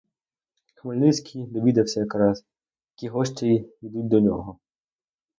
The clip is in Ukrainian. Хмельницький довідався зараз, які гості йдуть до нього.